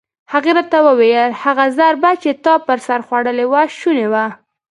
هغې راته وویل: هغه ضربه چې تا پر سر خوړلې وه شونې وه.